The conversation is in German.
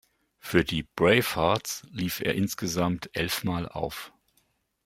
Für die "Bravehearts" lief er insgesamt elfmal auf.